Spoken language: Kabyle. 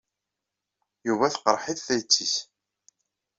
Yuba teqreḥ-it tayet-nnes.